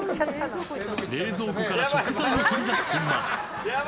冷蔵庫から食材を取り出す本間。